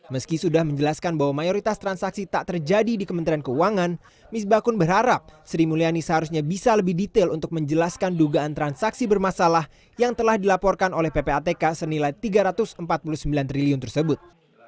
meski sudah menjelaskan bahwa mayoritas transaksi tak terjadi di kementerian keuangan misbakun berharap sri mulyani seharusnya bisa lebih detail untuk menjelaskan dugaan transaksi bermasalah yang telah dilaporkan oleh ppatk senilai rp tiga ratus empat puluh sembilan triliun tersebut